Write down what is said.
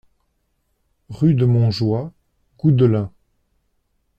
Rue de Montjoie, Goudelin